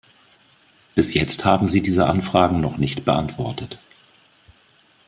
Bis jetzt haben Sie diese Anfragen noch nicht beantwortet.